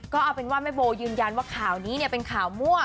ก็เอาเป็นว่าแม่โบยืนยันว่าข่าวนี้เป็นข่าวมั่ว